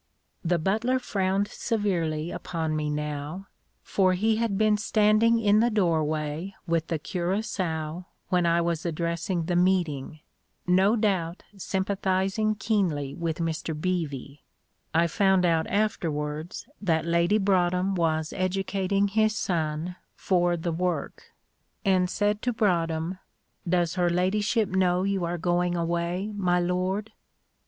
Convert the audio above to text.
The butler frowned severely upon me now, for he had been standing in the doorway with the curaçoa when I was addressing the meeting, no doubt sympathising keenly with Mr Beevy (I found out afterwards that Lady Broadhem was educating his son for the "work"), and said to Broadhem, "Does her ladyship know you are going away, my lord?"